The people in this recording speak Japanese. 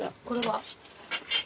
これは？